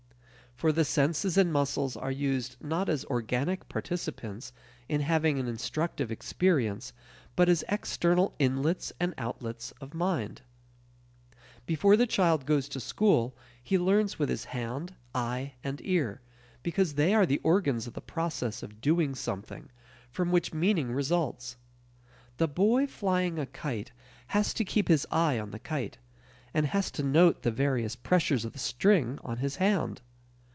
For the senses and muscles are used not as organic participants in having an instructive experience, but as external inlets and outlets of mind. Before the child goes to school, he learns with his hand, eye, and ear, because they are organs of the process of doing something from which meaning results. The boy flying a kite has to keep his eye on the kite, and has to note the various pressures of the string on his hand.